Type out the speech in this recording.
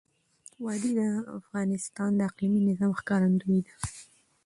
وادي د افغانستان د اقلیمي نظام ښکارندوی ده.